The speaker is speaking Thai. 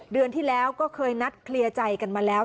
เดือนที่แล้วก็เคยนัดเคลียร์ใจกันมาแล้ว